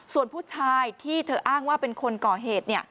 ส่วนผู้ชายที่เธออ้างว่าเป็นคนก่อเหตุ